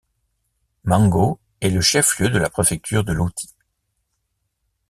Mango est le chef-lieu de la préfecture de l'Oti.